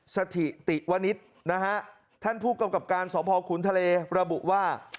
สถิติวนิษฐ์นะฮะท่านผู้กำกับการสพขุนทะเลระบุว่า